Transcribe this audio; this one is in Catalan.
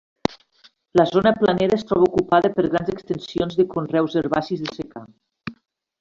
La zona planera es troba ocupada per grans extensions de conreus herbacis de secà.